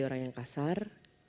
orang yang kasar